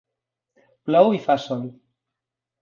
Plou i fa sol.